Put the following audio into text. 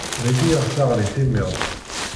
Dagi i ɣ-teɣli timiḍt.